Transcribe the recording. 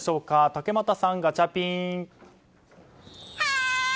竹俣さん、ガチャピン。